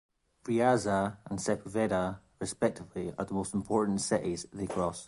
Riaza and Sepúlveda, respectively, are the most important cities they cross.